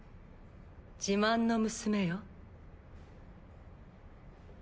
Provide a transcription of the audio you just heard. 自慢の娘よ。